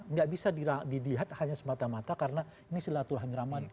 nggak bisa dilihat hanya semata mata karena ini adalah turhani ramadhani